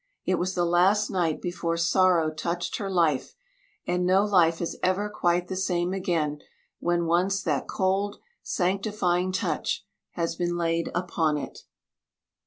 It was the last night before sorrow touched her life; and no life is ever quite the same again when once that cold, sanctifying touch has been laid upon it.